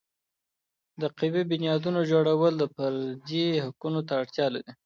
د قوي بنیادونو جوړول د فردي حقوقو ته اړتیا لري.